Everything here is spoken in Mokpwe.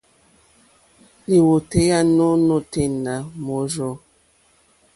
Lìwòtéyá nù nôténá mòrzô.